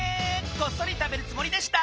こっそり食べるつもりでした。